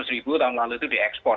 lima ratus ribu tahun lalu itu diekspor